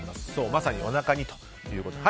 まさにおなかにということで。